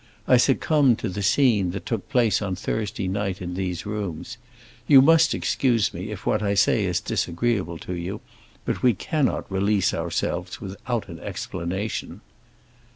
I succumbed to the scene that took place on Thursday night in these rooms. You must excuse me if what I say is disagreeable to you, but we cannot release ourselves without an explanation."